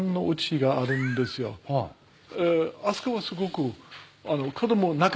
あそこはすごくあの。